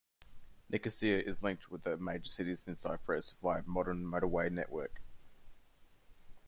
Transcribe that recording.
Nicosia is linked with other major cities in Cyprus via a modern motorway network.